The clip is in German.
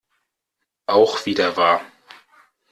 Auch wieder wahr.